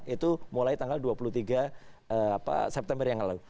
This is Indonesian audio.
itu mulai tanggal dua puluh tiga september yang lalu